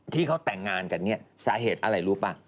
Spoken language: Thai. ที่เขาแต่งงานกันเนี่ยสาเหตุอะไรรู้ป่ะ